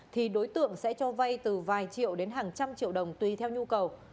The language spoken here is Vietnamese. thì đối tượng sẽ cho vay từ vài triệu đến hàng trăm triệu đồng tùy theo nhu cầu